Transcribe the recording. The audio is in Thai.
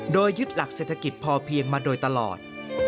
โดยยึดหลักเศรษฐกิจพอเพียงมาโดยตลอด